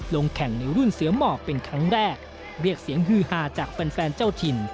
ลงแข่งในรุ่นเสือหมอกเป็นครั้งแรกเรียกเสียงฮือฮาจากแฟนเจ้าถิ่น